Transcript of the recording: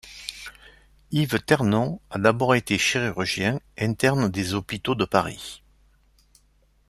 Yves Ternon a d’abord été chirurgien, interne des hôpitaux de Paris.